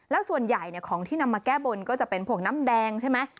แล้วส่วนใหญ่ของที่นำมาแก้บนก็จะเป็นพวกน้ำแดงใช่ไหม